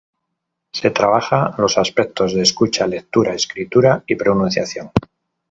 Se trabaja los aspectos de escucha, lectura, escritura y pronunciación.